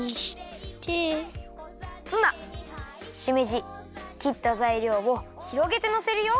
ツナしめじきったざいりょうをひろげてのせるよ。